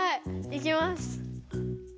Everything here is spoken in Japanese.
いきます。